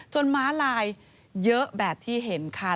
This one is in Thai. ม้าลายเยอะแบบที่เห็นค่ะ